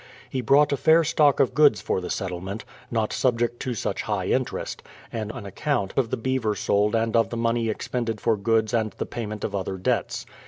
He brought a fair stock of goods for the settlement, not subject to such high interest, and an account of the beaver sold and of the money expended for goods and the pay ment of other debts.